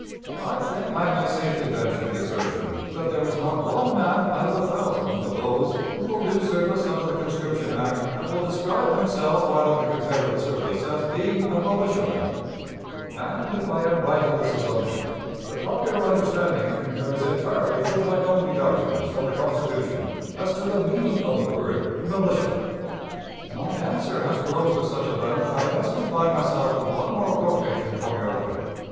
I think I may safely venture the assertion that there is not one man out of a thousand of those who will do service under the conscription act that will describe himself while in the Confederate service as being a militiaman; and, if I am right in this assumption, the popular understanding concurs entirely with my own deductions from the Constitution as to the meaning of the word 'militia.' "My answer has grown to such a length, that I must confine myself to one more quotation from your letter.